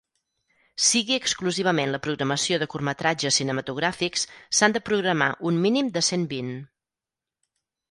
Sigui exclusivament la programació de curtmetratges cinematogràfics, s'han de programar un mínim de cent vint.